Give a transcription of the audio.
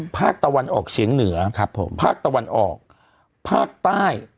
ภาคตะวันออกเฉียงเหนือภาคตะวันออกภาคใต้